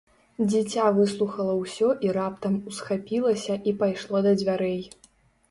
Дзіця выслухала ўсё і раптам усхапілася і пайшло да дзвярэй.